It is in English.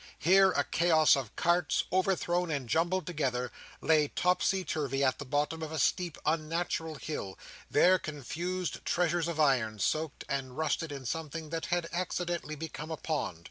Here, a chaos of carts, overthrown and jumbled together, lay topsy turvy at the bottom of a steep unnatural hill; there, confused treasures of iron soaked and rusted in something that had accidentally become a pond.